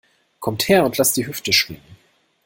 Kommt her und lasst die Hüfte schwingen!